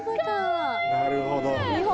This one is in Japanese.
なるほど。